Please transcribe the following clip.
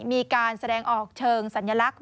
มีการแสดงออกเชิงสัญลักษณ์